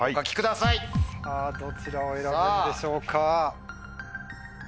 さぁどちらを選ぶんでしょうか。